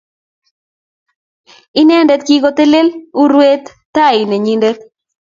Inendet kikotelele urwet tai nenyindet